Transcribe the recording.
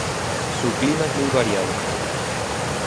Su clima es muy variado.